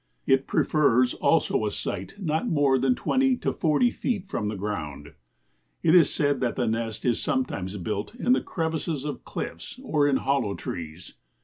It prefers also a site not more than twenty to forty feet from the ground. It is said that the nest is sometimes built in the crevices of cliffs or in hollow trees.